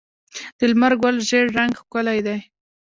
د لمر ګل ژیړ رنګ ښکلی دی.